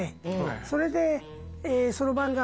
それで。